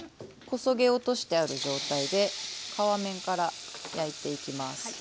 こそげ落としてある状態で皮面から焼いていきます。